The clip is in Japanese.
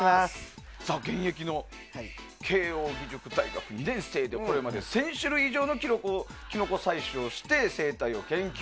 現役の慶應義塾大学２年生でこれまで１０００種類以上のキノコ採取をして生態を研究。